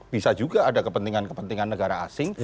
bisa juga ada kepentingan kepentingan negara asing